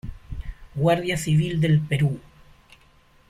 Guardia Civil del Perú